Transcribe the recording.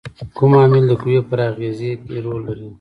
کوم عامل د قوې پر اغیزې کې رول لري؟